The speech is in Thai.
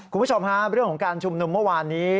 คุณผู้ชมฮะเรื่องของการชุมนุมเมื่อวานนี้